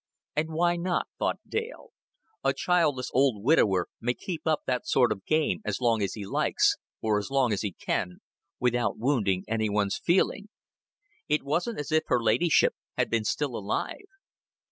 "And why not?" thought Dale. A childless old widower may keep up that sort of game as long as he likes, or as long as he can, without wounding any one's feeling. It wasn't as if her ladyship had been still alive.